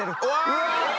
うわ！